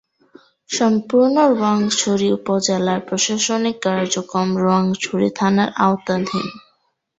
সম্পূর্ণ রোয়াংছড়ি উপজেলার প্রশাসনিক কার্যক্রম রোয়াংছড়ি থানার আওতাধীন।